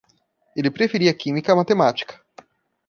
Ele preferia química a matemática